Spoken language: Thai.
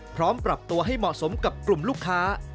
พร้อมปรับตัวให้เหมาะสมกับกลุ่มลูกค้า